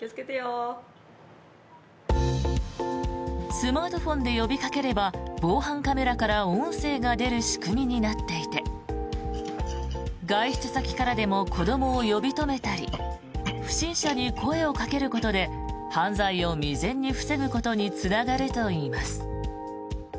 スマートフォンで呼びかければ防犯カメラから音声が出る仕組みになっていて外出先からでも子どもを呼び止めたり不審者に声をかけることで犯罪を未然に防ぐことにつながるといいます。